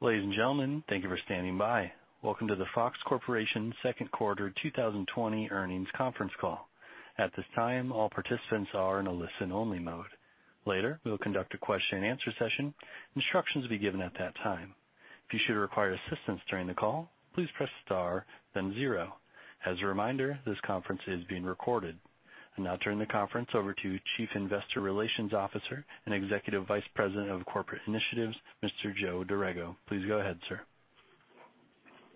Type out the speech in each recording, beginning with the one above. Ladies and gentlemen, thank you for standing by. Welcome to the Fox Corporation Second Quarter 2020 Earnings Conference Call. At this time, all participants are in a listen-only mode. Later, we'll conduct a question-and-answer session. Instructions will be given at that time. If you should require assistance during the call, please press star then zero. As a reminder, this conference is being recorded. I'll now turn the conference over to Chief Investor Relations Officer and Executive Vice President of Corporate Initiatives, Mr. Joe Dorrego. Please go ahead, sir.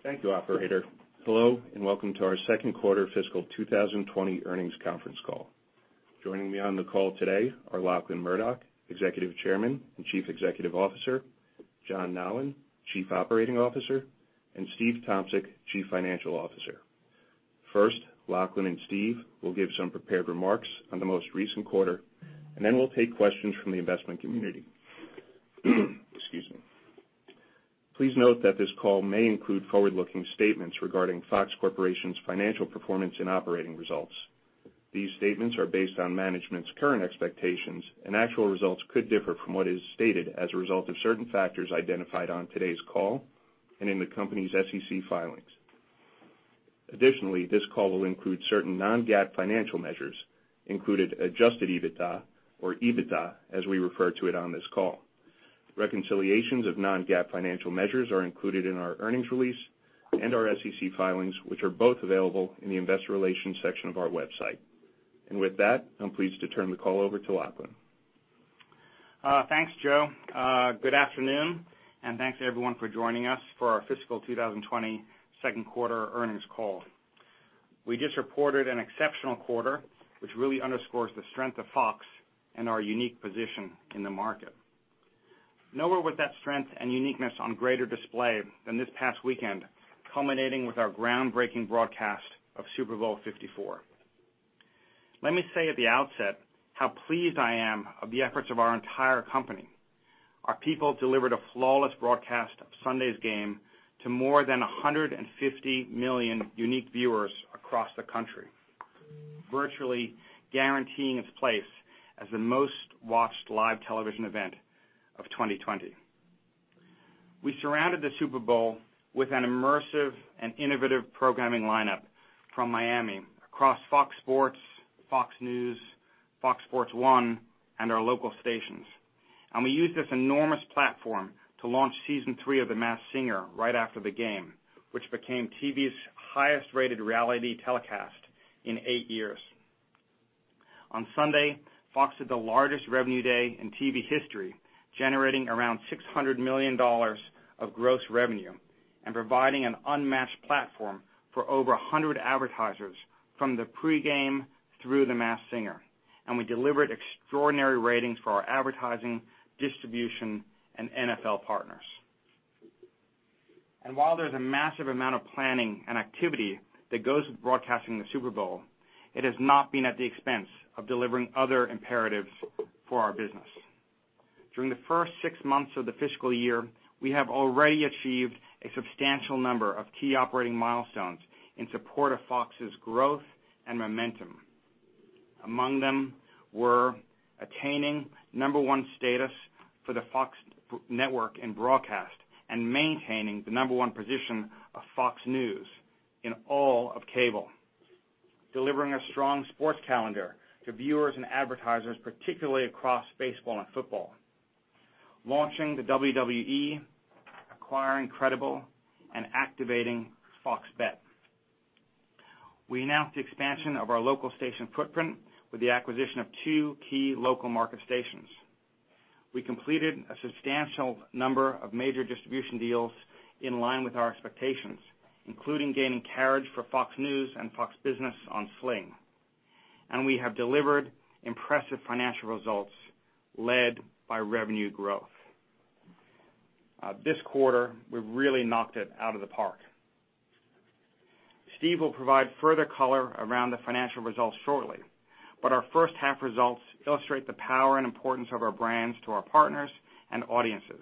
Thank you, Operator. Hello, and welcome to our Second Quarter Fiscal 2020 Earnings Conference Call. Joining me on the call today are Lachlan Murdoch, Executive Chairman and Chief Executive Officer, John Nallen, Chief Operating Officer, and Steve Tomsic, Chief Financial Officer. First, Lachlan and Steve will give some prepared remarks on the most recent quarter, and then we'll take questions from the investment community. Excuse me. Please note that this call may include forward-looking statements regarding Fox Corporation's financial performance and operating results. These statements are based on management's current expectations, and actual results could differ from what is stated as a result of certain factors identified on today's call and in the company's SEC filings. Additionally, this call will include certain non-GAAP financial measures, including adjusted EBITDA, or EBITDA as we refer to it on this call. Reconciliations of non-GAAP financial measures are included in our earnings release and our SEC filings, which are both available in the Investor Relations section of our website, and with that, I'm pleased to turn the call over to Lachlan. Thanks, Joe. Good afternoon, and thanks to everyone for joining us for our Fiscal 2020 Second Quarter Earnings Call. We just reported an exceptional quarter, which really underscores the strength of Fox and our unique position in the market. Nowhere was that strength and uniqueness put on greater display than this past weekend, culminating with our groundbreaking broadcast of Super Bowl LIV. Let me say at the outset how pleased I am with the efforts of our entire company. Our people delivered a flawless broadcast of Sunday's game to more than 150 million unique viewers across the country, virtually guaranteeing its place as the most-watched live television event of 2020. We surrounded the Super Bowl with an immersive and innovative programming lineup from Miami, across FOX Sports, FOX News, FOX Sports One, and our local stations. And we used this enormous platform to launch Season Three of The Masked Singer right after the game, which became TV's highest-rated reality telecast in eight years. On Sunday, FOX had the largest revenue day in TV history, generating around $600 million of gross revenue and providing an unmatched platform for over 100 advertisers, from the pregame through The Masked Singer. And we delivered extraordinary ratings for our advertising, distribution, and NFL partners. And while there's a massive amount of planning and activity that goes with broadcasting the Super Bowl, it has not been at the expense of delivering other imperatives for our business. During the first six months of the fiscal year, we have already achieved a substantial number of key operating milestones in support of FOX's growth and momentum. Among them were attaining number one status for the FOX Network in broadcast and maintaining the number one position of FOX News in all of cable, delivering a strong sports calendar to viewers and advertisers, particularly across baseball and football, launching the WWE, acquiring Credible, and activating FOX Bet. We announced the expansion of our local station footprint with the acquisition of two key local market stations. We completed a substantial number of major distribution deals in line with our expectations, including gaining carriage for FOX News and FOX Business on Sling, and we have delivered impressive financial results led by revenue growth. This quarter, we've really knocked it out of the park. Steve will provide further color around the financial results shortly, but our first half results illustrate the power and importance of our brands to our partners and audiences,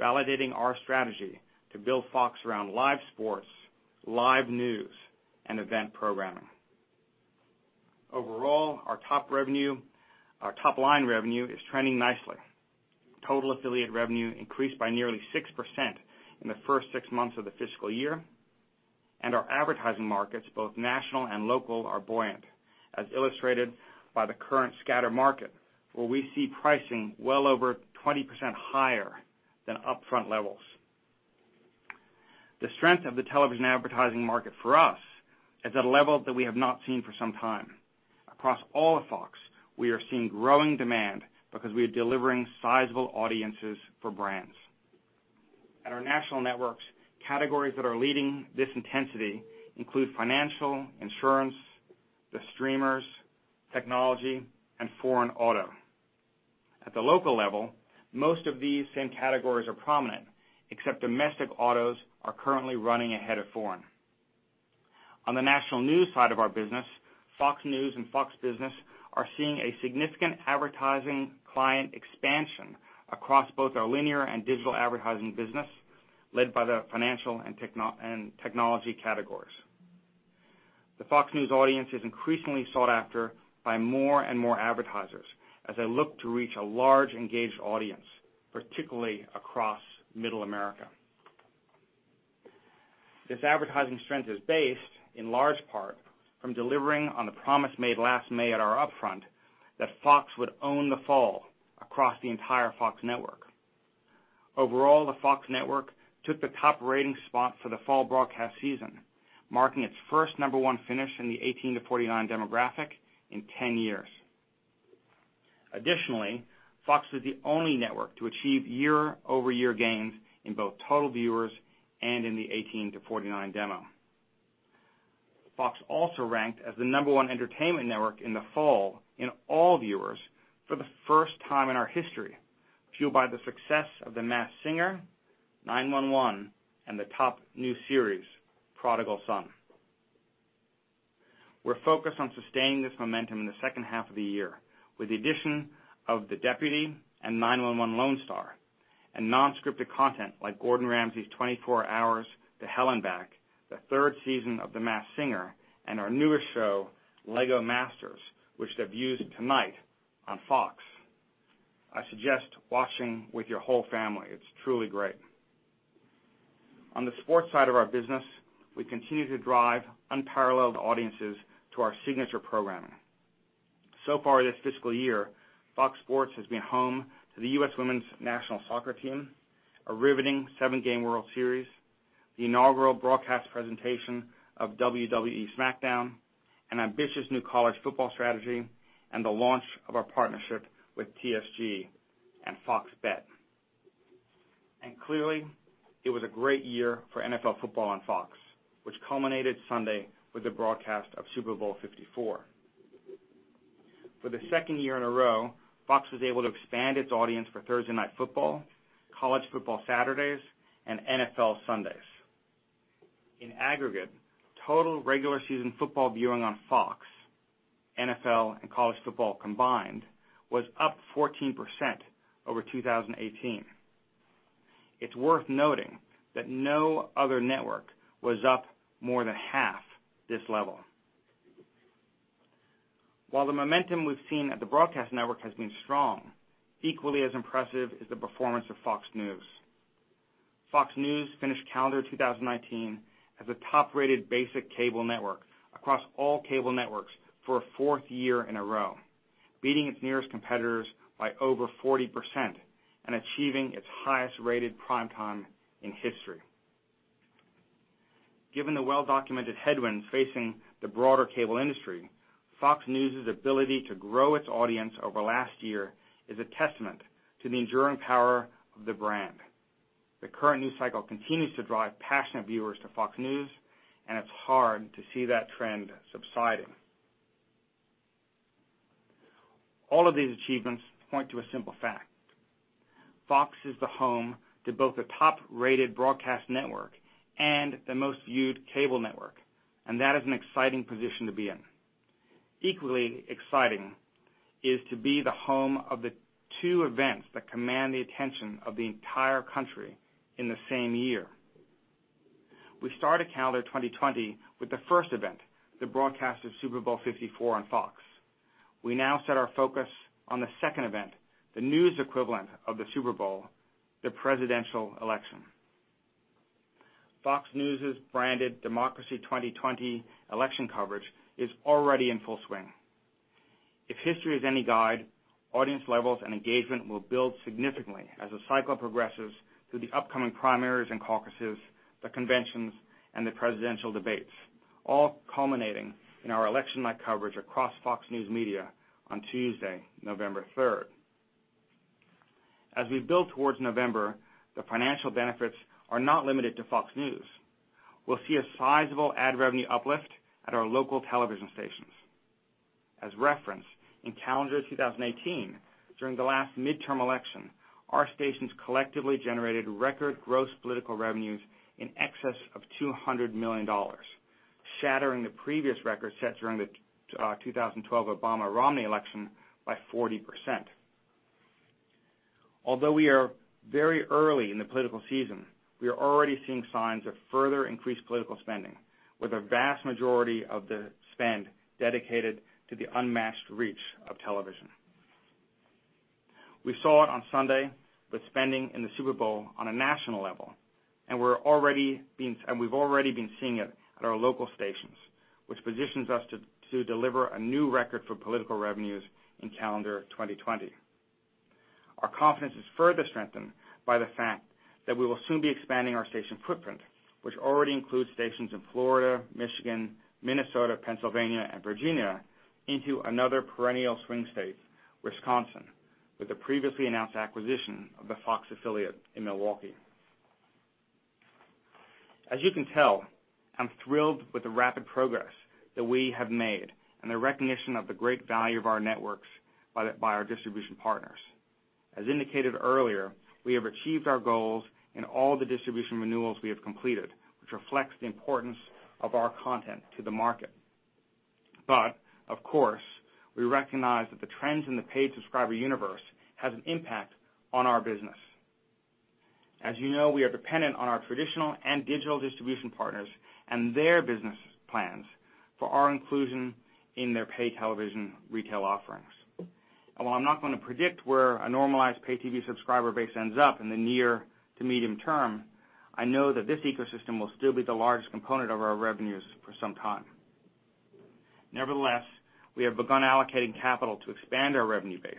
validating our strategy to build FOX around live sports, live news, and event programming. Overall, our top line revenue is trending nicely. Total affiliate revenue increased by nearly 6% in the first six months of the fiscal year, and our advertising markets, both national and local, are buoyant, as illustrated by the current scatter market, where we see pricing well over 20% higher than upfront levels. The strength of the television advertising market for us is at a level that we have not seen for some time. Across all of FOX, we are seeing growing demand because we are delivering sizable audiences for brands. At our national networks, categories that are leading this intensity include financial, insurance, the streamers, technology, and foreign auto. At the local level, most of these same categories are prominent, except domestic autos are currently running ahead of foreign. On the national news side of our business, FOX News and FOX Business are seeing a significant advertising client expansion across both our linear and digital advertising business, led by the financial and technology categories. The FOX News audience is increasingly sought after by more and more advertisers as they look to reach a large, engaged audience, particularly across Middle America. This advertising strength is based, in large part, from delivering on the promise made last May at our upfront that Fox would own the fall across the entire FOX Network. Overall, the FOX Network took the top rating spot for the fall broadcast season, marking its first number one finish in the 18-49 demographic in 10 years. Additionally, FOX is the only network to achieve year-over-year gains in both total viewers and in the 18-49 demo. FOX also ranked as the number one entertainment network in the fall in all viewers for the first time in our history, fueled by the success of The Masked Singer, 9-1-1, and the top new series, Prodigal Son. We're focused on sustaining this momentum in the second half of the year, with the addition of The Deputy and 9-1-1: Lone Star, and non-scripted content like Gordon Ramsay's 24 Hours to Hell and Back, the Third Season of The Masked Singer, and our newest show, LEGO Masters, which debuts tonight on FOX. I suggest watching with your whole family. It's truly great. On the sports side of our business, we continue to drive unparalleled audiences to our signature programming. So far this fiscal year, FOX Sports has been home to the U.S. Women's National Soccer Team, a riveting seven-game World Series, the inaugural broadcast presentation of WWE SmackDown, an ambitious new college football strategy, and the launch of our partnership with TSG and FOX Bet. And clearly, it was a great year for NFL football on FOX, which culminated Sunday with the broadcast of Super Bowl LIV. For the second year in a row, FOX was able to expand its audience for Thursday Night Football, College Football Saturdays, and NFL Sundays. In aggregate, total regular season football viewing on FOX, NFL, and college football combined was up 14% over 2018. It's worth noting that no other network was up more than half this level. While the momentum we've seen at the broadcast network has been strong, equally as impressive is the performance of FOX News. Fox News finished calendar 2019 as the top-rated basic cable network across all cable networks for a fourth year in a row, beating its nearest competitors by over 40% and achieving its highest-rated primetime in history. Given the well-documented headwinds facing the broader cable industry, FOX News' ability to grow its audience over last year is a testament to the enduring power of the brand. The current news cycle continues to drive passionate viewers to FOX News, and it's hard to see that trend subsiding. All of these achievements point to a simple fact: FOX is the home to both the top-rated broadcast network and the most viewed cable network, and that is an exciting position to be in. Equally exciting is to be the home of the two events that command the attention of the entire country in the same year. We started calendar 2020 with the first event, the broadcast of Super Bowl LIV on FOX. We now set our focus on the second event, the news equivalent of the Super Bowl, the presidential election. Fox News' branded Democracy 2020 election coverage is already in full swing. If history is any guide, audience levels and engagement will build significantly as the cycle progresses through the upcoming primaries and caucuses, the conventions, and the presidential debates, all culminating in our election night coverage across FOX News Media on Tuesday, November 3rd. As we build towards November, the financial benefits are not limited to FOX News. We'll see a sizable ad revenue uplift at our local television stations. As reference, in calendar 2018, during the last midterm election, our stations collectively generated record gross political revenues in excess of $200 million, shattering the previous record set during the 2012 Obama-Romney election by 40%. Although we are very early in the political season, we are already seeing signs of further increased political spending, with a vast majority of the spend dedicated to the unmatched reach of television. We saw it on Sunday with spending in the Super Bowl on a national level, and we've already been seeing it at our local stations, which positions us to deliver a new record for political revenues in calendar 2020. Our confidence is further strengthened by the fact that we will soon be expanding our station footprint, which already includes stations in Florida, Michigan, Minnesota, Pennsylvania, and Virginia, into another perennial swing state, Wisconsin, with the previously announced acquisition of the FOX affiliate in Milwaukee. As you can tell, I'm thrilled with the rapid progress that we have made and the recognition of the great value of our networks by our distribution partners. As indicated earlier, we have achieved our goals in all the distribution renewals we have completed, which reflects the importance of our content to the market. But, of course, we recognize that the trends in the paid subscriber universe have an impact on our business. As you know, we are dependent on our traditional and digital distribution partners and their business plans for our inclusion in their paid television retail offerings. And while I'm not going to predict where a normalized pay TV subscriber base ends up in the near to medium term, I know that this ecosystem will still be the largest component of our revenues for some time. Nevertheless, we have begun allocating capital to expand our revenue base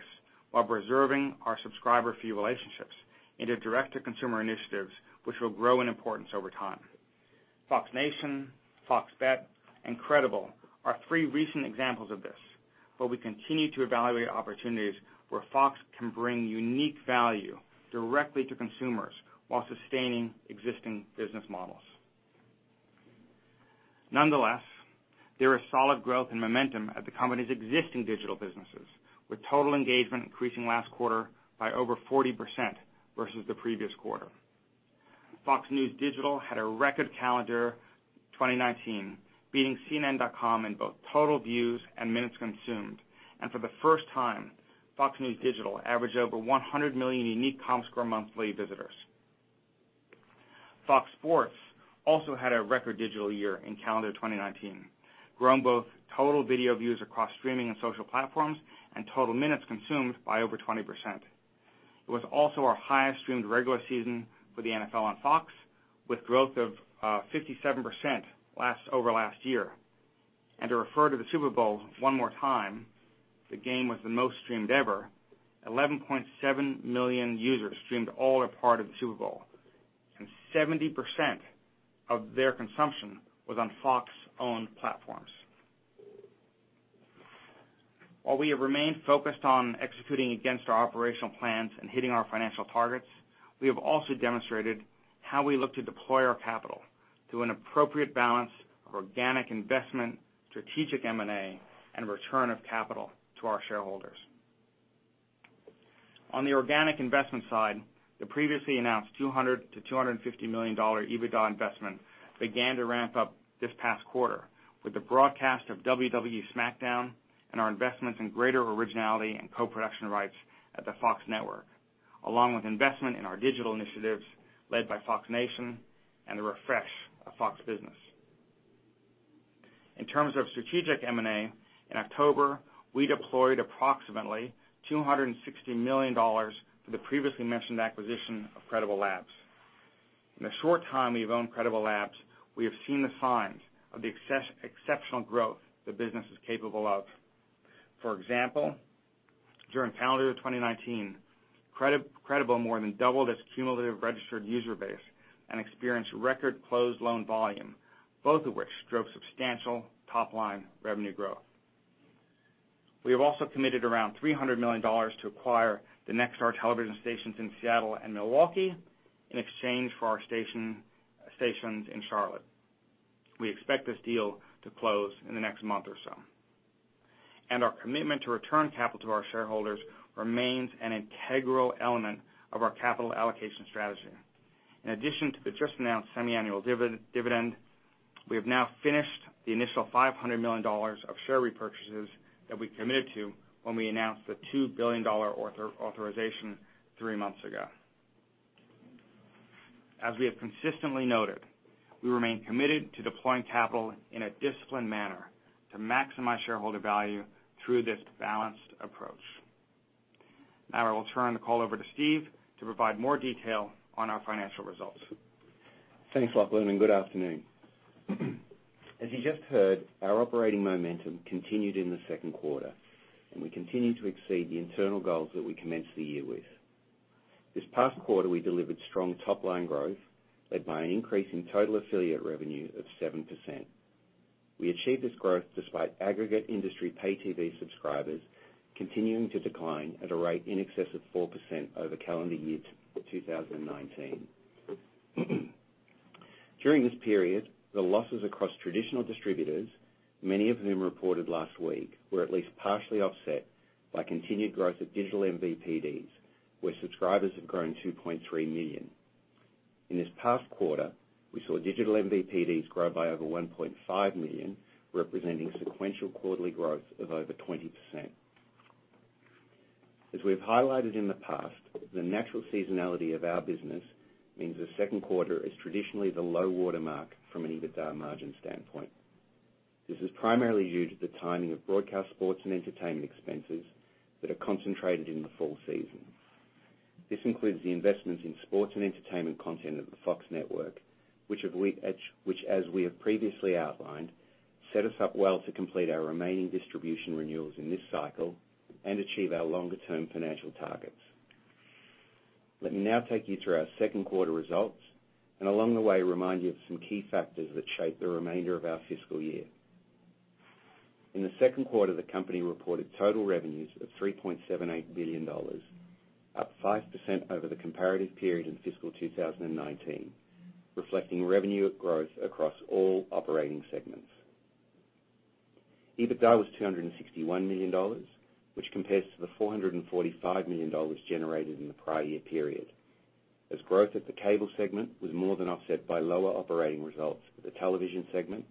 while preserving our subscriber fee relationships into direct-to-consumer initiatives, which will grow in importance over time. FOX Nation, FOX Bet, and Credible are three recent examples of this, but we continue to evaluate opportunities where FOX can bring unique value directly to consumers while sustaining existing business models. Nonetheless, there is solid growth and momentum at the company's existing digital businesses, with total engagement increasing last quarter by over 40% vs the previous quarter. FOX News Digital had a record calendar 2019, beating CNN.com in both total views and minutes consumed, and for the first time, FOX News Digital averaged over 100 million unique Comscore monthly visitors. FOX Sports also had a record digital year in calendar 2019, growing both total video views across streaming and social platforms and total minutes consumed by over 20%. It was also our highest streamed regular season for the NFL on FOX, with growth of 57% over last year. And to refer to the Super Bowl one more time, the game was the most streamed ever. 11.7 million users streamed all or part of the Super Bowl, and 70% of their consumption was on FOX-owned platforms. While we have remained focused on executing against our operational plans and hitting our financial targets, we have also demonstrated how we look to deploy our capital to an appropriate balance of organic investment, strategic M&A, and return of capital to our shareholders. On the organic investment side, the previously announced $200 million-$250 million EBITDA investment began to ramp up this past quarter with the broadcast of WWE SmackDown and our investments in greater originality and co-production rights at the FOX Network, along with investment in our digital initiatives led by FOX Nation and the refresh of FOX Business. In terms of strategic M&A, in October, we deployed approximately $260 million for the previously mentioned acquisition of Credible Labs. In the short time we've owned Credible Labs, we have seen the signs of the exceptional growth the business is capable of. For example, during calendar 2019, Credible more than doubled its cumulative registered user base and experienced record closed loan volume, both of which drove substantial top-line revenue growth. We have also committed around $300 million to acquire the Nexstar television stations in Seattle and Milwaukee in exchange for our stations in Charlotte. We expect this deal to close in the next month or so. And our commitment to return capital to our shareholders remains an integral element of our capital allocation strategy. In addition to the just announced semi-annual dividend, we have now finished the initial $500 million of share repurchases that we committed to when we announced the $2 billion authorization three months ago. As we have consistently noted, we remain committed to deploying capital in a disciplined manner to maximize shareholder value through this balanced approach. Now I will turn the call over to Steve to provide more detail on our financial results. Thanks, Lachlan, good afternoon. As you just heard, our operating momentum continued in the second quarter, and we continue to exceed the internal goals that we commenced the year with. This past quarter, we delivered strong top-line growth, led by an increase in total affiliate revenue of 7%. We achieved this growth despite aggregate industry pay TV subscribers continuing to decline at a rate in excess of 4% over calendar year 2019. During this period, the losses across traditional distributors, many of whom reported last week, were at least partially offset by continued growth of digital MVPDs, where subscribers have grown 2.3 million. In this past quarter, we saw digital MVPDs grow by over 1.5 million, representing sequential quarterly growth of over 20%. As we have highlighted in the past, the natural seasonality of our business means the second quarter is traditionally the low watermark from an EBITDA margin standpoint. This is primarily due to the timing of broadcast sports and entertainment expenses that are concentrated in the fall season. This includes the investments in sports and entertainment content at the FOX Network, which, as we have previously outlined, set us up well to complete our remaining distribution renewals in this cycle and achieve our longer-term financial targets. Let me now take you through our second quarter results, and along the way, remind you of some key factors that shape the remainder of our fiscal year. In the second quarter, the company reported total revenues of $3.78 billion, up 5% over the comparative period in fiscal 2019, reflecting revenue growth across all operating segments. EBITDA was $261 million, which compares to the $445 million generated in the prior year period, as growth at the cable segment was more than offset by lower operating results for the television segment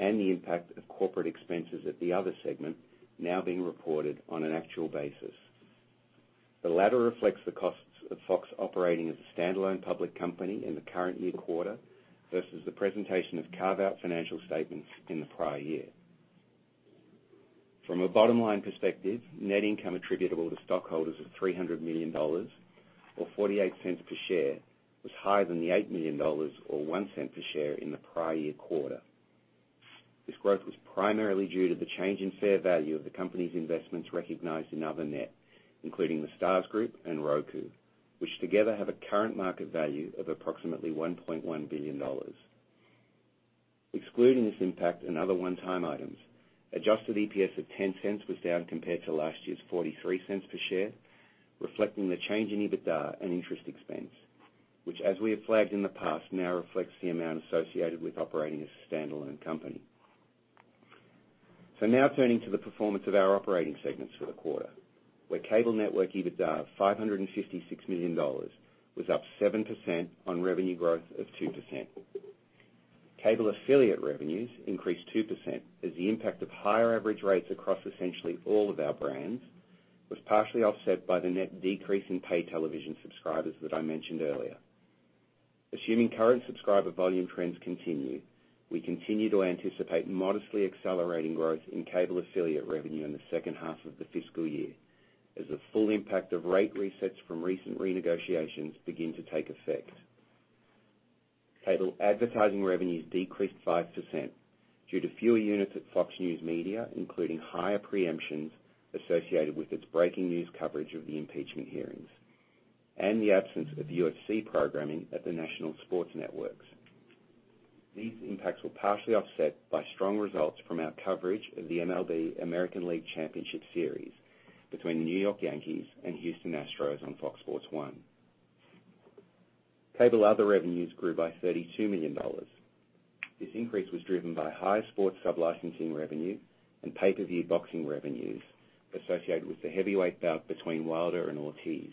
and the impact of corporate expenses at the other segment now being reported on an actual basis. The latter reflects the costs of FOX operating as a standalone public company in the current year quarter vs the presentation of carve-out financial statements in the prior year. From a bottom-line perspective, net income attributable to stockholders of $300 million, or $0.48 per share, was higher than the $8 million, or $0.01 per share, in the prior year quarter. This growth was primarily due to the change in fair value of the company's investments recognized in other net, including The Stars Group and Roku, which together have a current market value of approximately $1.1 billion. Excluding this impact and other one-time items, adjusted EPS of $0.10 was down compared to last year's $0.43 per share, reflecting the change in EBITDA and interest expense, which, as we have flagged in the past, now reflects the amount associated with operating as a standalone company. So now turning to the performance of our operating segments for the quarter, where cable network EBITDA of $556 million was up 7% on revenue growth of 2%. Cable affiliate revenues increased 2% as the impact of higher average rates across essentially all of our brands was partially offset by the net decrease in paid television subscribers that I mentioned earlier. Assuming current subscriber volume trends continue, we continue to anticipate modestly accelerating growth in cable affiliate revenue in the second half of the fiscal year, as the full impact of rate resets from recent renegotiations begins to take effect. Cable advertising revenues decreased 5% due to fewer units at FOX News Media, including higher preemptions associated with its breaking news coverage of the impeachment hearings and the absence of UFC programming at the national sports networks. These impacts were partially offset by strong results from our coverage of the MLB American League Championship Series between the New York Yankees and Houston Astros on FOX Sports One. Cable other revenues grew by $32 million. This increase was driven by high sports sublicensing revenue and pay-per-view boxing revenues associated with the heavyweight bout between Wilder and Ortiz,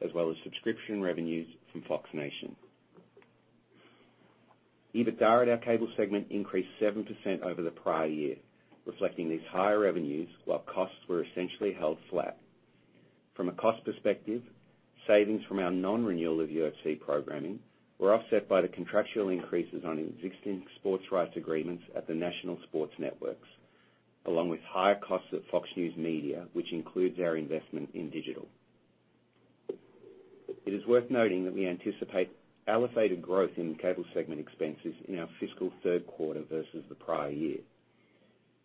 as well as subscription revenues from FOX Nation. EBITDA at our cable segment increased 7% over the prior year, reflecting these higher revenues while costs were essentially held flat. From a cost perspective, savings from our non-renewal of UFC programming were offset by the contractual increases on existing sports rights agreements at the national sports networks, along with higher costs at FOX News Media, which includes our investment in digital. It is worth noting that we anticipate elevated growth in cable segment expenses in our fiscal third quarter versus the prior year.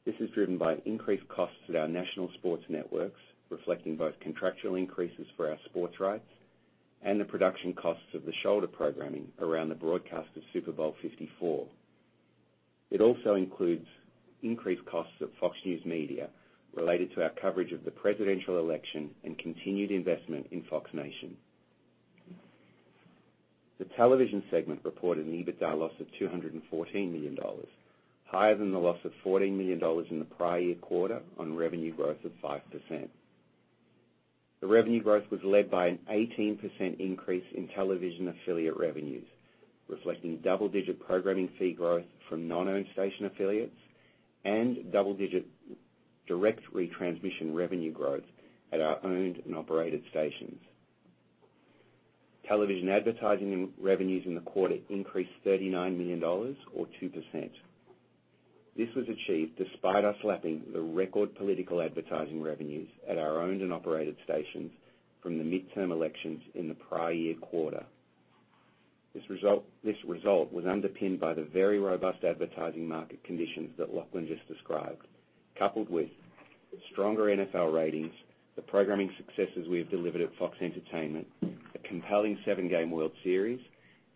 This is driven by increased costs at our national sports networks, reflecting both contractual increases for our sports rights and the production costs of the shoulder programming around the broadcast of Super Bowl LIV. It also includes increased costs of FOX News Media related to our coverage of the presidential election and continued investment in FOX Nation. The television segment reported an EBITDA loss of $214 million, higher than the loss of $14 million in the prior year quarter on revenue growth of 5%. The revenue growth was led by an 18% increase in television affiliate revenues, reflecting double-digit programming fee growth from non-owned station affiliates and double-digit direct retransmission revenue growth at our owned and operated stations. Television advertising revenues in the quarter increased $39 million, or 2%. This was achieved despite us lapping the record political advertising revenues at our owned and operated stations from the midterm elections in the prior year quarter. This result was underpinned by the very robust advertising market conditions that Lachlan just described, coupled with stronger NFL ratings, the programming successes we have delivered at FOX Entertainment, a compelling seven-game World Series,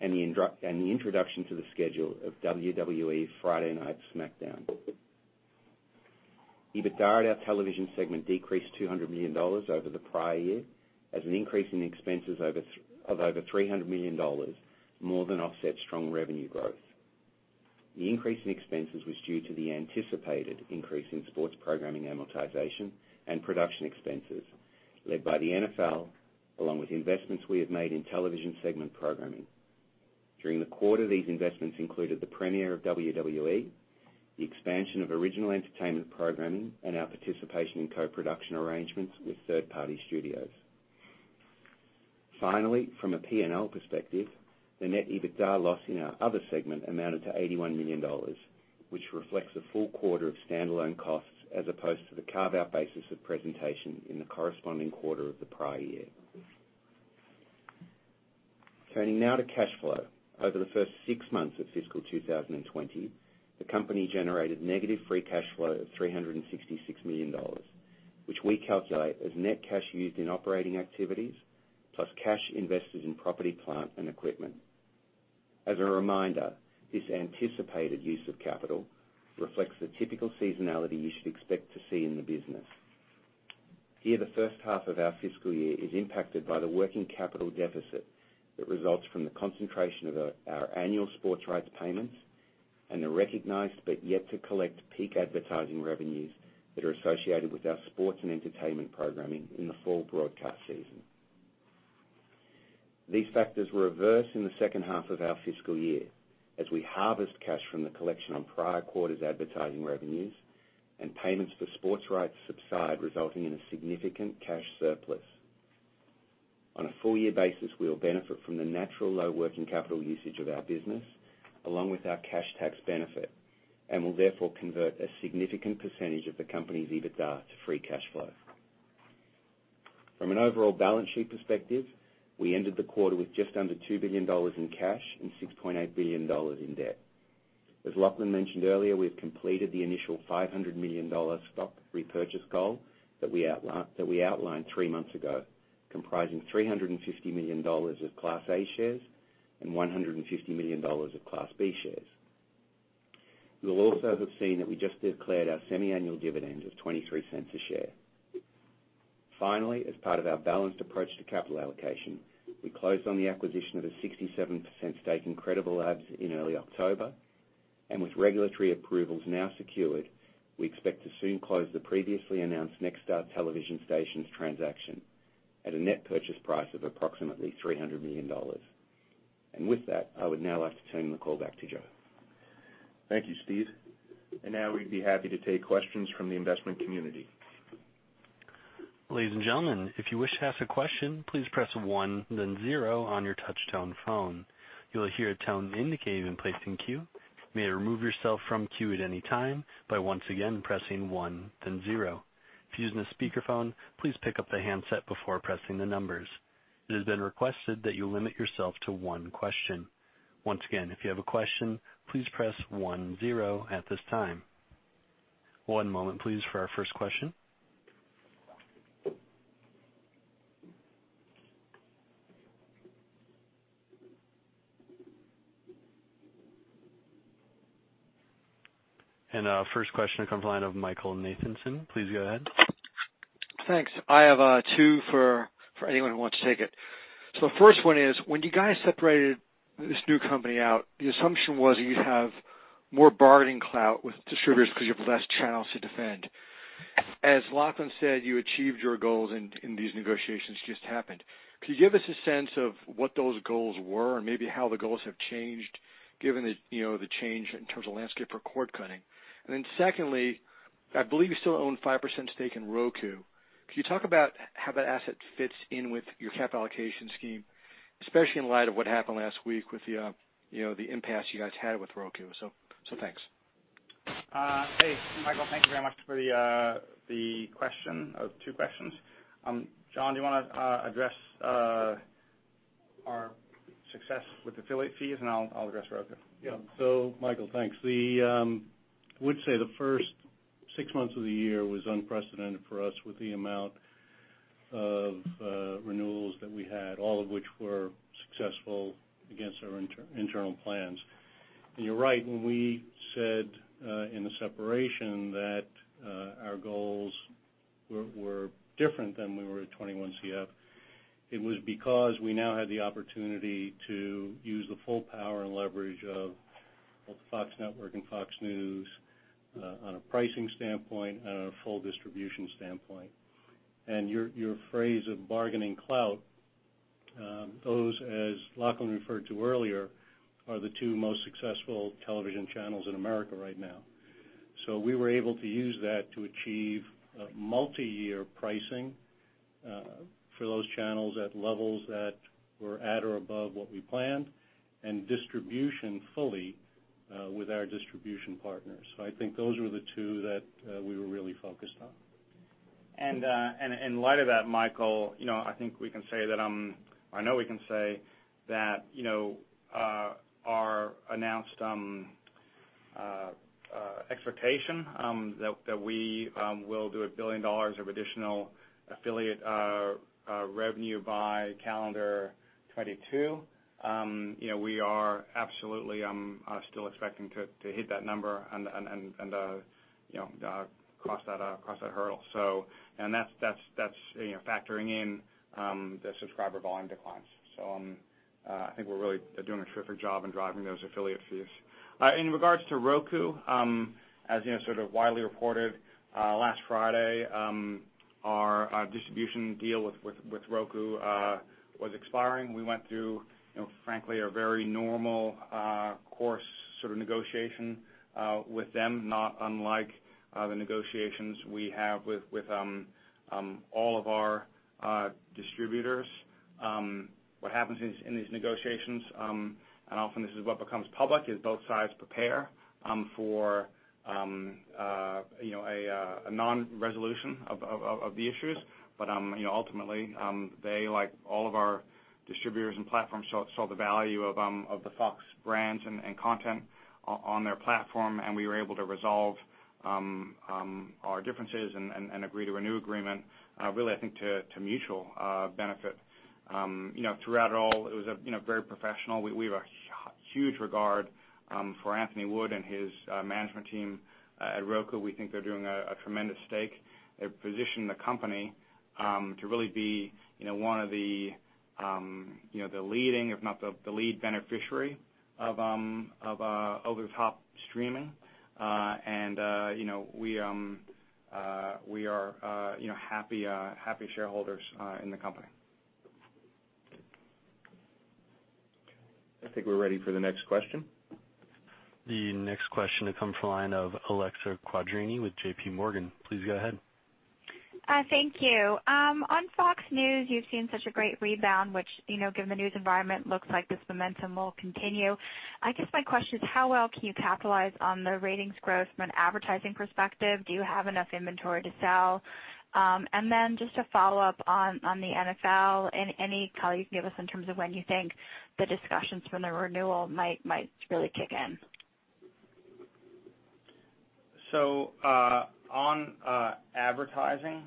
and the introduction to the schedule of WWE Friday Night SmackDown. EBITDA at our television segment decreased $200 million over the prior year, as an increase in expenses of over $300 million more than offset strong revenue growth. The increase in expenses was due to the anticipated increase in sports programming amortization and production expenses led by the NFL, along with investments we have made in television segment programming. During the quarter, these investments included the premiere of WWE, the expansion of original entertainment programming, and our participation in co-production arrangements with third-party studios. Finally, from a P&L perspective, the net EBITDA loss in our other segment amounted to $81 million, which reflects a full quarter of standalone costs as opposed to the carve-out basis of presentation in the corresponding quarter of the prior year. Turning now to cash flow, over the first six months of fiscal 2020, the company generated negative free cash flow of $366 million, which we calculate as net cash used in operating activities plus cash invested in property, plant, and equipment. As a reminder, this anticipated use of capital reflects the typical seasonality you should expect to see in the business. Here, the first half of our fiscal year is impacted by the working capital deficit that results from the concentration of our annual sports rights payments and the recognized but yet to collect peak advertising revenues that are associated with our sports and entertainment programming in the fall broadcast season. These factors reverse in the second half of our fiscal year as we harvest cash from the collection on prior quarter's advertising revenues, and payments for sports rights subside, resulting in a significant cash surplus. On a full-year basis, we will benefit from the natural low working capital usage of our business, along with our cash tax benefit, and will therefore convert a significant percentage of the company's EBITDA to free cash flow. From an overall balance sheet perspective, we ended the quarter with just under $2 billion in cash and $6.8 billion in debt. As Lachlan mentioned earlier, we have completed the initial $500 million stock repurchase goal that we outlined three months ago, comprising $350 million of Class A shares and $150 million of Class B shares. You will also have seen that we just declared our semi-annual dividend of $0.23 a share. Finally, as part of our balanced approach to capital allocation, we closed on the acquisition of a 67% stake in Credible Labs in early October, and with regulatory approvals now secured, we expect to soon close the previously announced Nexstar television stations transaction at a net purchase price of approximately $300 million. And with that, I would now like to turn the call back to Joe. Thank you, Steve. And now we'd be happy to take questions from the investment community. Ladies and gentlemen, if you wish to ask a question, please press one, then zero on your touch-tone phone. You'll hear a tone indicating you've been placed in queue. You may remove yourself from queue at any time by once again pressing one, then zero. If you're using a speakerphone, please pick up the handset before pressing the numbers. It has been requested that you limit yourself to one question. Once again, if you have a question, please press one, zero at this time. One moment, please, for our first question, and our first question will come from the line of Michael Nathanson. Please go ahead. Thanks. I have two for anyone who wants to take it. So the first one is, when you guys separated this new company out, the assumption was you'd have more bargaining clout with distributors because you have less channels to defend. As Lachlan said, you achieved your goals in these negotiations just happened. Could you give us a sense of what those goals were and maybe how the goals have changed, given the change in terms of landscape for cord cutting? And then secondly, I believe you still own 5% stake in Roku. Could you talk about how that asset fits in with your capital allocation scheme, especially in light of what happened last week with the impasse you guys had with Roku? So thanks. Hey, Michael, thank you very much for the question, or two questions. John, do you want to address our success with affiliate fees, and I'll address Roku? Yeah. So Michael, thanks. I would say the first six months of the year was unprecedented for us with the amount of renewals that we had, all of which were successful against our internal plans. And you're right, when we said in the separation that our goals were different than we were at 21CF. It was because we now had the opportunity to use the full power and leverage of both FOX Network and FOX News on a pricing standpoint and on a full distribution standpoint. And your phrase of bargaining clout, those, as Lachlan referred to earlier, are the two most successful television channels in America right now. So we were able to use that to achieve multi-year pricing for those channels at levels that were at or above what we planned and distribution fully with our distribution partners. So I think those were the two that we were really focused on. In light of that, Michael, I think we can say that I know we can say that our announced expectation that we will do $1 billion of additional affiliate revenue by calendar 2022, we are absolutely still expecting to hit that number and cross that hurdle. And that's factoring in the subscriber volume declines. So I think we're really doing a terrific job in driving those affiliate fees. In regards to Roku, as you know, sort of widely reported, last Friday, our distribution deal with Roku was expiring. We went through, frankly, a very normal course sort of negotiation with them, not unlike the negotiations we have with all of our distributors. What happens in these negotiations, and often this is what becomes public, is both sides prepare for a non-resolution of the issues. But ultimately, they, like all of our distributors and platforms, saw the value of the FOX brands and content on their platform, and we were able to resolve our differences and agree to a new agreement, really, I think, to mutual benefit. Throughout it all, it was very professional. We have a huge regard for Anthony Wood and his management team at Roku. We think they're doing a tremendous job. They've positioned the company to really be one of the leading, if not the lead beneficiary, of over-the-top streaming. And we are happy shareholders in the company. I think we're ready for the next question. The next question will come from the line of Alexia Quadrani with JP Morgan. Please go ahead. Thank you. On FOX News, you've seen such a great rebound, which, given the news environment, looks like this momentum will continue. I guess my question is, how well can you capitalize on the ratings growth from an advertising perspective? Do you have enough inventory to sell? And then just a follow-up on the NFL, any color you can give us in terms of when you think the discussions from the renewal might really kick in? So, on advertising,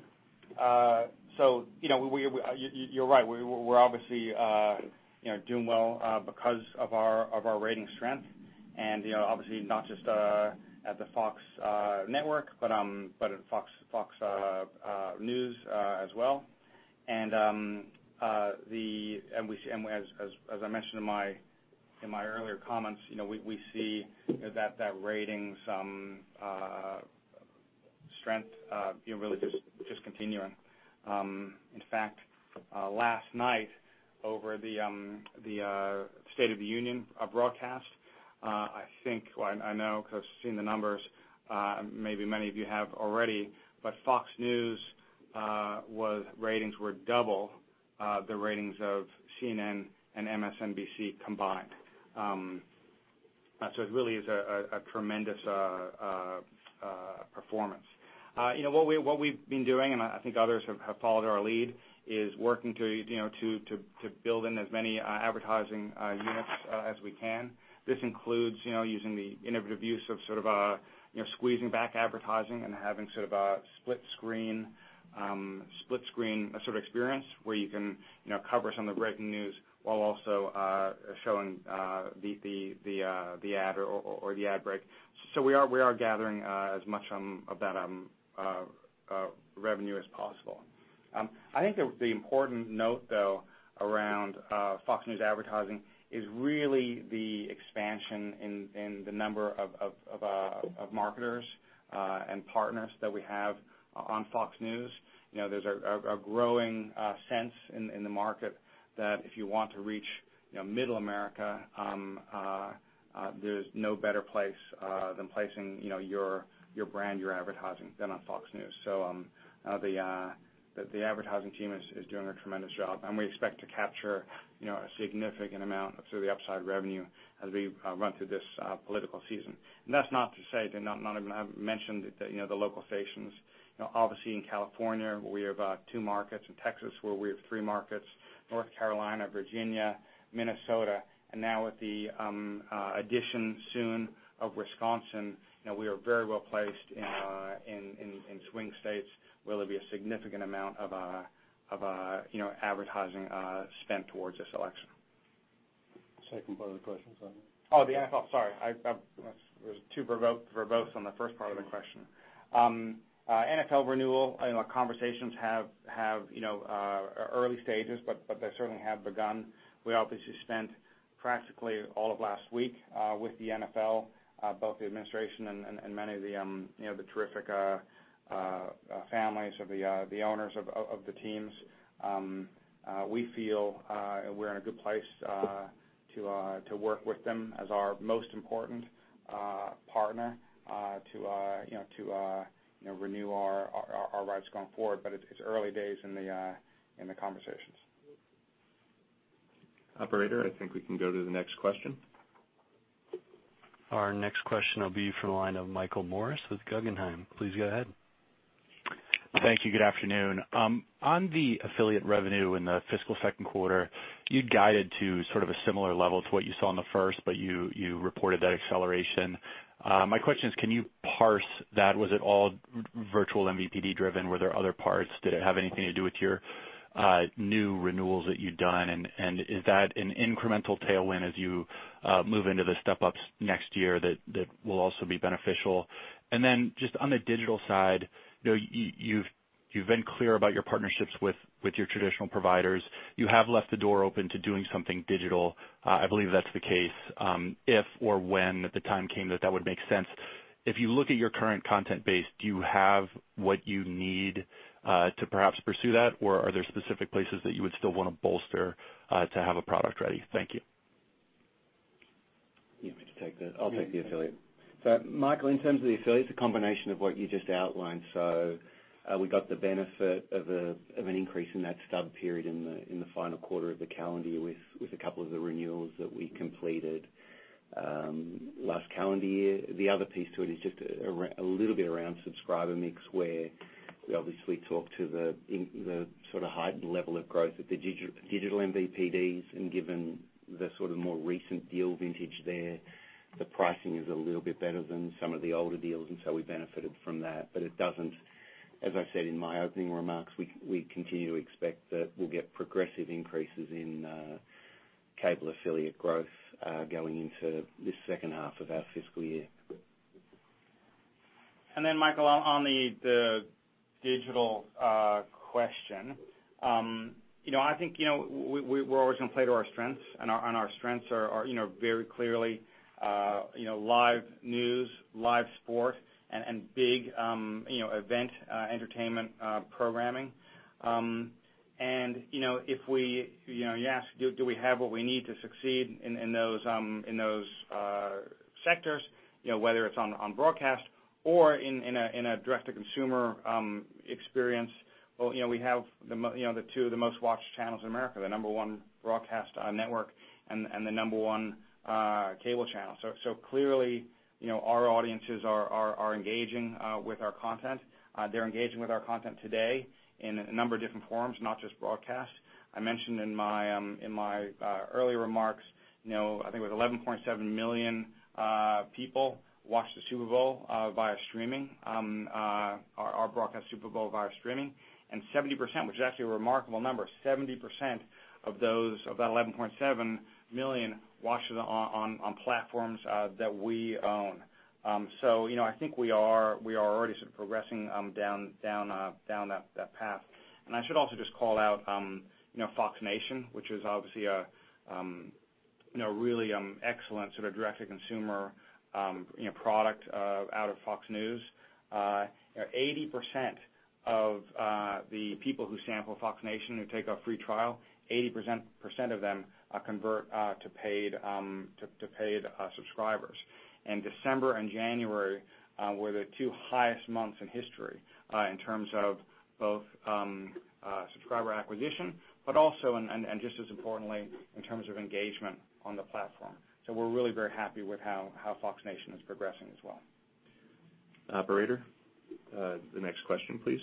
you're right. We're obviously doing well because of our rating strength, and obviously not just at the FOX Network, but at FOX News as well. And as I mentioned in my earlier comments, we see that rating strength really just continuing. In fact, last night, over the State of the Union broadcast, I think, well, I know because I've seen the numbers. Maybe many of you have already, but FOX News's ratings were double the ratings of CNN and MSNBC combined. So it really is a tremendous performance. What we've been doing, and I think others have followed our lead, is working to build in as many advertising units as we can. This includes using the innovative use of sort of squeezing back advertising and having sort of a split-screen sort of experience where you can cover some of the breaking news while also showing the ad or the ad break. So we are gathering as much of that revenue as possible. I think the important note, though, around FOX News advertising is really the expansion in the number of marketers and partners that we have on FOX News. There's a growing sense in the market that if you want to reach middle America, there's no better place than placing your brand, your advertising, than on FOX News. So the advertising team is doing a tremendous job, and we expect to capture a significant amount of the upside revenue as we run through this political season. And that's not to say, not to mention the local stations. Obviously, in California, we have two markets. In Texas, where we have three markets: North Carolina, Virginia, Minnesota, and now, with the addition soon of Wisconsin, we are very well placed in swing states where there'll be a significant amount of advertising spent towards this election. Second part of the question, sorry. Oh, the NFL. Sorry. I was too verbose on the first part of the question. NFL renewal conversations have early stages, but they certainly have begun. We obviously spent practically all of last week with the NFL, both the administration and many of the terrific families of the owners of the teams. We feel we're in a good place to work with them as our most important partner to renew our rights going forward, but it's early days in the conversations. Operator, I think we can go to the next question. Our next question will be from the line of Michael Morris with Guggenheim. Please go ahead. Thank you. Good afternoon. On the affiliate revenue in the fiscal second quarter, you'd guided to sort of a similar level to what you saw in the first, but you reported that acceleration. My question is, can you parse that? Was it all virtual MVPD driven? Were there other parts? Did it have anything to do with your new renewals that you've done? And is that an incremental tailwind as you move into the step-ups next year that will also be beneficial? And then just on the digital side, you've been clear about your partnerships with your traditional providers. You have left the door open to doing something digital. I believe that's the case. If or when the time came that that would make sense, if you look at your current content base, do you have what you need to perhaps pursue that, or are there specific places that you would still want to bolster to have a product ready? Thank you. You don't need to take that. I'll take the affiliate. So Michael, in terms of the affiliates, a combination of what you just outlined. So we got the benefit of an increase in that stub period in the final quarter of the calendar year with a couple of the renewals that we completed last calendar year. The other piece to it is just a little bit around subscriber mix, where we obviously talked to the sort of heightened level of growth of the digital MVPDs. And given the sort of more recent deal vintage there, the pricing is a little bit better than some of the older deals, and so we benefited from that. But it doesn't, as I said in my opening remarks, we continue to expect that we'll get progressive increases in cable affiliate growth going into the second half of our fiscal year. And then, Michael, on the digital question, I think we're always going to play to our strengths, and our strengths are very clearly live news, live sport, and big event entertainment programming. And if you ask, do we have what we need to succeed in those sectors, whether it's on broadcast or in a direct-to-consumer experience, we have the two of the most watched channels in America, the number one broadcast network and the number one cable channel. So clearly, our audiences are engaging with our content. They're engaging with our content today in a number of different forms, not just broadcast. I mentioned in my earlier remarks, I think it was 11.7 million people watched the Super Bowl via streaming, our broadcast Super Bowl via streaming, and 70%, which is actually a remarkable number, 70% of that 11.7 million watched it on platforms that we own. So I think we are already sort of progressing down that path. And I should also just call out FOX Nation, which is obviously a really excellent sort of direct-to-consumer product out of FOX News. 80% of the people who sample FOX Nation who take a free trial, 80% of them convert to paid subscribers. And December and January were the two highest months in history in terms of both subscriber acquisition, but also, and just as importantly, in terms of engagement on the platform. So we're really very happy with how FOX Nation is progressing as well. Operator, the next question, please.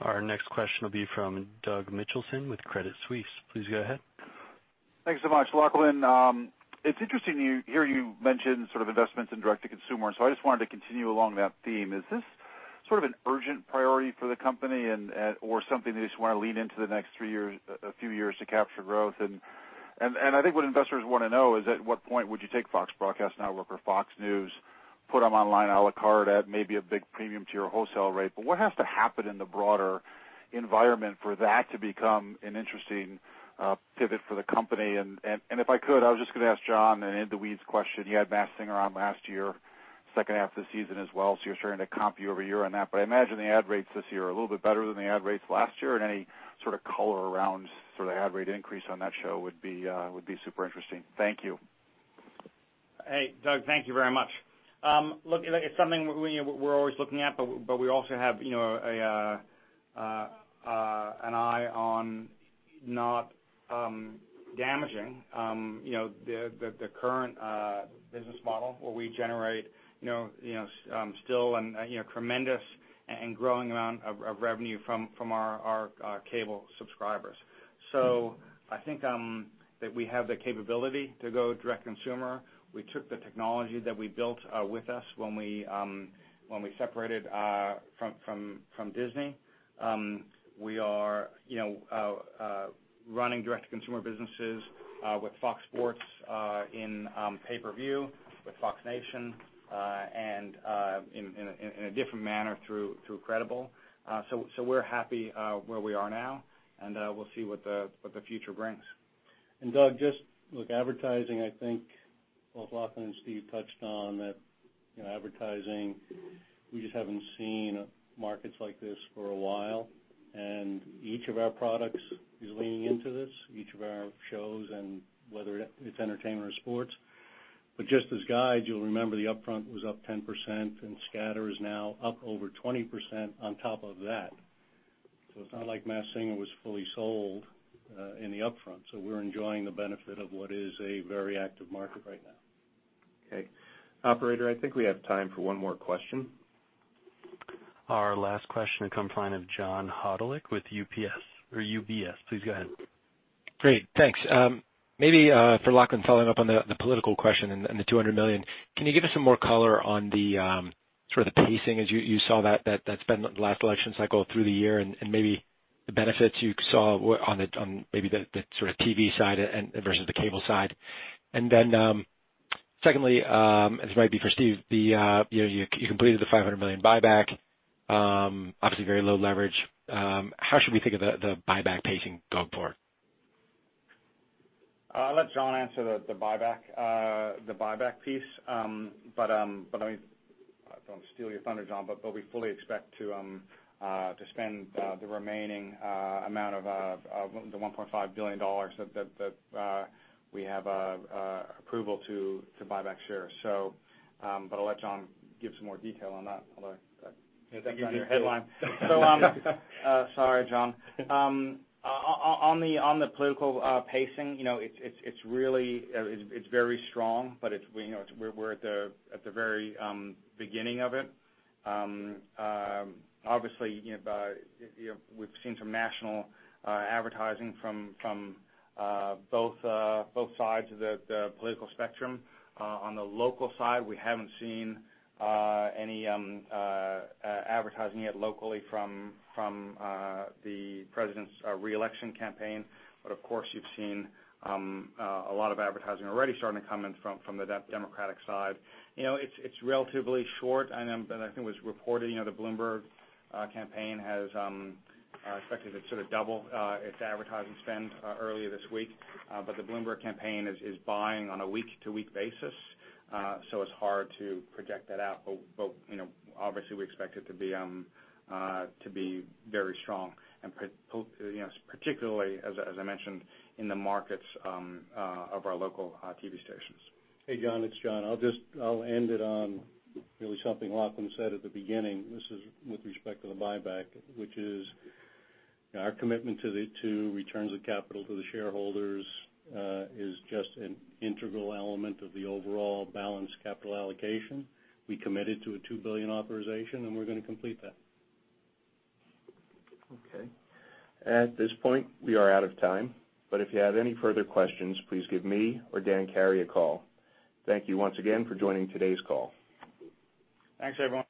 Our next question will be from Doug Mitchelson with Credit Suisse. Please go ahead. Thanks so much, Lachlan. It's interesting to hear you mention sort of investments in direct-to-consumer. And so I just wanted to continue along that theme. Is this sort of an urgent priority for the company or something they just want to lean into the next few years to capture growth? And I think what investors want to know is, at what point would you take FOX Broadcast Network or FOX News, put them online à la carte at maybe a big premium to your wholesale rate? But what has to happen in the broader environment for that to become an interesting pivot for the company? And if I could, I was just going to ask John an in-the-weeds question. You had Matt Singer on last year, second half of the season as well. So you're starting to comp year-over-year over here on that. But I imagine the ad rates this year are a little bit better than the ad rates last year. And any sort of color around sort of ad rate increase on that show would be super interesting. Thank you. Hey, Doug, thank you very much. Look, it's something we're always looking at, but we also have an eye on not damaging the current business model where we generate still a tremendous and growing amount of revenue from our cable subscribers. So I think that we have the capability to go direct-to-consumer. We took the technology that we built with us when we separated from Disney. We are running direct-to-consumer businesses with FOX Sports in pay-per-view, with FOX Nation, and in a different manner through Credible. So we're happy where we are now, and we'll see what the future brings. Doug, just look, advertising. I think both Lachlan and Steve touched on that advertising. We just haven't seen markets like this for a while. And each of our products is leaning into this, each of our shows, and whether it's entertainment or sports. But just as guides, you'll remember the upfront was up 10%, and Scatter is now up over 20% on top of that. So it's not like The Masked Singer was fully sold in the upfront. So we're enjoying the benefit of what is a very active market right now. Okay. Operator, I think we have time for one more question. Our last question will come from the line of John Hodulik with UBS. Please go ahead. Great. Thanks. Maybe for Lachlan, following up on the political question and the $200 million, can you give us some more color on sort of the pacing as you saw that spend last election cycle through the year and maybe the benefits you saw on maybe the sort of TV side vs the cable side? And then secondly, this might be for Steve, you completed the $500 million buyback, obviously very low leverage. How should we think of the buyback pacing going forward? I'll let John answer the buyback piece. But I mean, I don't want to steal your thunder, John, but we fully expect to spend the remaining amount of the $1.5 billion that we have approval to buy back shares. But I'll let John give some more detail on that. Yeah, thank you. Thank you for your question. Sorry, John. On the political pacing, it's very strong, but we're at the very beginning of it. Obviously, we've seen some national advertising from both sides of the political spectrum. On the local side, we haven't seen any advertising yet locally from the president's reelection campaign. But of course, you've seen a lot of advertising already starting to come in from the Democratic side. It's relatively short. And I think it was reported the Bloomberg campaign has expected to sort of double its advertising spend earlier this week. But the Bloomberg campaign is buying on a week-to-week basis. So it's hard to project that out. But obviously, we expect it to be very strong, particularly, as I mentioned, in the markets of our local TV stations. Hey, John, it's John. I'll end it on really something Lachlan said at the beginning. This is with respect to the buyback, which is our commitment to returns of capital to the shareholders is just an integral element of the overall balanced capital allocation. We committed to a $2 billion authorization, and we're going to complete that. Okay. At this point, we are out of time. But if you have any further questions, please give me or Dan Carey a call. Thank you once again for joining today's call. Thanks, everyone.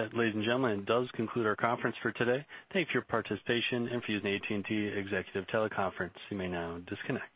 That, ladies and gentlemen, does conclude our conference for today. Thank you for your participation in FOX's AT&T Executive Teleconference. You may now disconnect.